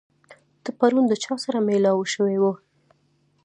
ته پرون د چا سره مېلاو شوی وې؟